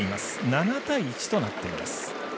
７対１となっています。